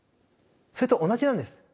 それと同じなんです。